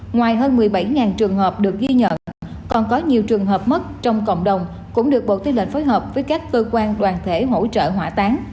ngoài hơn một mươi bảy trường hợp được ghi nhận còn có nhiều trường hợp mất trong cộng đồng cũng được bộ tư lệnh phối hợp với các cơ quan đoàn thể hỗ trợ hỏa táng